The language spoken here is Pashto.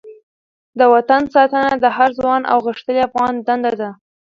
د وطن ساتنه د هر ځوان او غښتلې افغان دنده ده.